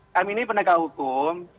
kami ini penegak hukum